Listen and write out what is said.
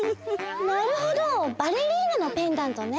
なるほどバレリーナのペンダントね。